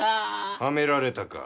はめられたか。